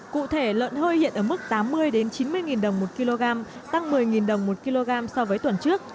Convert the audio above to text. cụ thể lợn hơi hiện ở mức tám mươi chín mươi đồng một kg tăng một mươi đồng một kg so với tuần trước